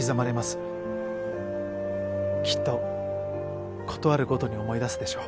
きっと事あるごとに思い出すでしょう。